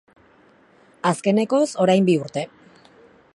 Azkenekoz, orain bi urte.